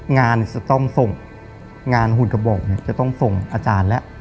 งานจะต้องส่งงานหุ่นกระบอกจะต้องส่งอาจารย์แล้ว